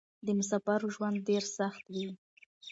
د مسافرو ژوند ډېر سخت وې.